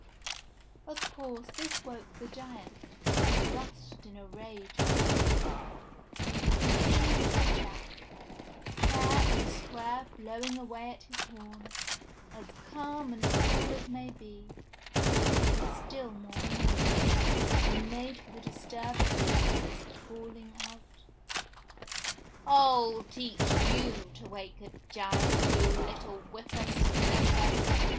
Of course this woke the giant, who rushed in a rage out of his cave, and seeing little Jack, fair and square blowing away at his horn, as calm and cool as may be, he became still more angry, and made for the disturber of his rest bawl ing out, *'ril teach you to wake a giant, you little whipper snapper.